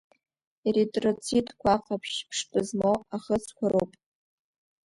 Еритроцитқәа аҟаԥшь ԥштәы змоу ахыцқәа роуп.